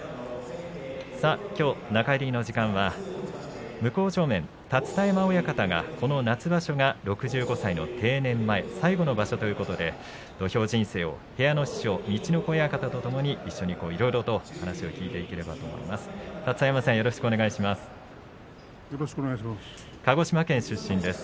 きょう中入りの時間は向正面、立田山親方がこの夏場所が６５歳の定年前最後の場所ということで土俵人生を部屋の師匠陸奥親方とともにいろいろと話を聞いていければと思います。